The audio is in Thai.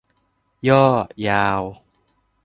ย่อ : ยาว